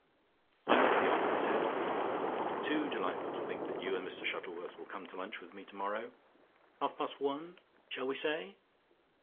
"I must be off," he said. "Too delightful to think that you and Mr Shuttleworth will come to lunch with me tomorrow. Half past one, shall we say?"